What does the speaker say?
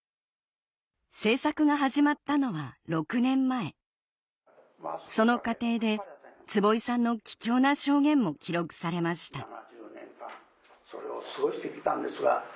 制作が始まったのは６年前その過程で坪井さんの貴重な証言も記録されました